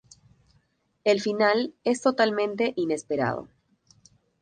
El final es totalmente inesperado.